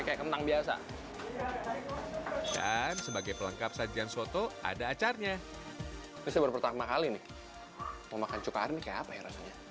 ini saya baru pertama kali nih mau makan cukai ini kayak apa ya rasanya